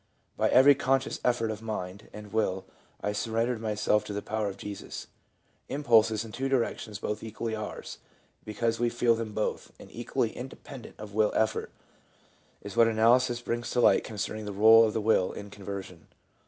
"By every conscious effort of my mind and will, I surren dered myself to the power of Jesus. ..." Impulses in two directions, both equally ours, because we feel them both, and equally independent of will effort, is what analysis brings to light concerning the role of the will in con version.